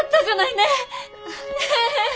ねえ！